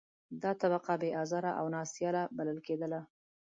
دا طبقه بې آزاره او نا سیاله بلل کېدله.